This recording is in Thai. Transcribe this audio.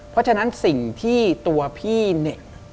เพราะฉะนั้นสิ่งที่ตัวพี่เนี่ย